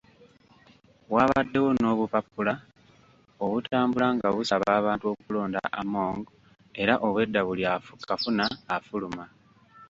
Waabaddewo n’obupapula obutambula nga busaba abantu okulonda Among era obwedda buli akafuna afuluma.